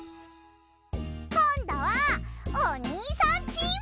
こんどはおにいさんチーム！